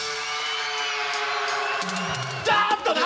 ちょっと！